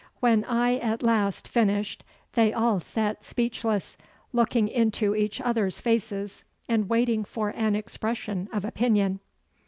When I at last finished they all sat speechless, looking into each other's faces and waiting for an expression of opinion.